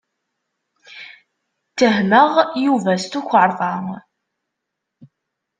Ttehmeɣ Yuba s tukerḍa.